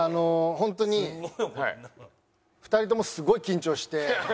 本当に２人ともすごい緊張して。